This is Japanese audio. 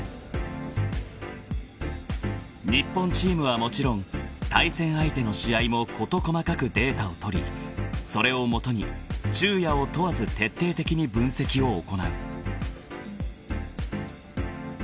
［日本チームはもちろん対戦相手の試合も事細かくデータをとりそれを基に昼夜を問わず徹底的に分析を行う］